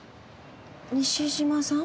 西島さん？